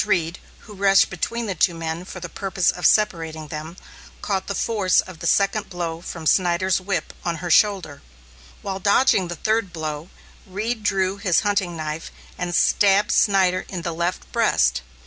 Reed, who rushed between the two men for the purpose of separating them, caught the force of the second blow from Snyder's whip on her shoulder. While dodging the third blow, Reed drew his hunting knife and stabbed Snyder in the left breast.